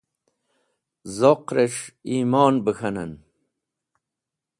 Zoqrẽs̃h ẽmon bẽ k̃hanen.